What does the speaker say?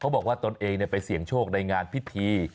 บอกว่าตนเองไปเสี่ยงโชคในงานพิธี